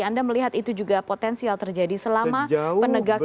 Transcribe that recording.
anda melihat itu juga potensial terjadi selama penegakan hukum itu belum ada